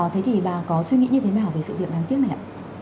thế thì bà có suy nghĩ như thế nào về sự việc đáng tiếc này ạ